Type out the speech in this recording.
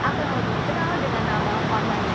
akan lebih dikenal dengan nama online shop